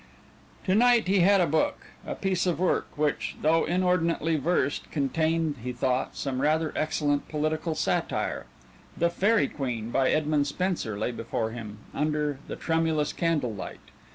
To night he had a book, a piece of work which, though inordinately versed, contained, he thought, some rather excellent political satire. "The Faerie Queene" by Edmund Spenser lay before him under the tremulous candle light.